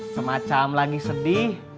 semacam lagi sedih